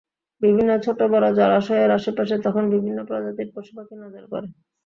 বিভিন্ন ছোট-বড় জলাশয়ের আশেপাশে তখন বিভিন্ন প্রজাতির পশুপাখি নজরে পড়ে।